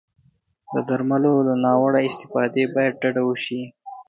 د درملو له ناوړه استفادې باید ډډه وشي.